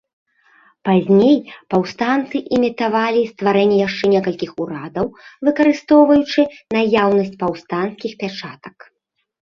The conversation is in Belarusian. Пазней паўстанцы імітавалі стварэнне яшчэ некалькіх урадаў, выкарыстоўваючы наяўнасць паўстанцкіх пячатак.